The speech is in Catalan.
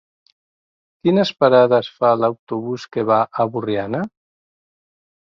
Quines parades fa l'autobús que va a Borriana?